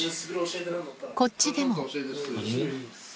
こっちでも。